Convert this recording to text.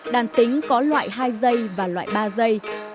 đàn tính có loại hai dây và loại ba dây